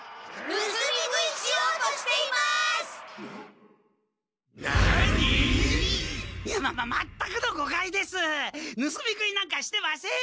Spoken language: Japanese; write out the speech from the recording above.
ぬすみ食いなんかしてません。